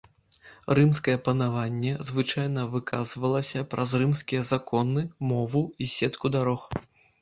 Рымскае панаванне звычайна выказвалася праз рымскія законы, мову і сетку дарог.